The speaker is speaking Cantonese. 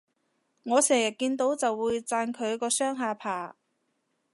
我成日見到就會讚佢個雙下巴